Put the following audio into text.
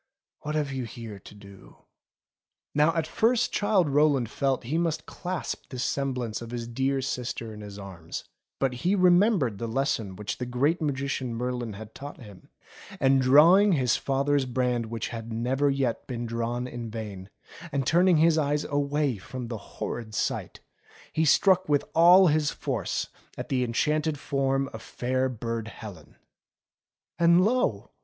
What have you here to do ?" Now at first Childe Rowland felt he must clasp this semblance of his dear sister in his arms ; but he remembered CHILDE ROWLAND 285 the lesson which the Great Magician Merlin had taught him, and drawing his father's brand which had never yet been drawn in vain, and turning his eyes from the horrid sight, he struck with all his force at the enchanted form of fair Burd Helen. And lo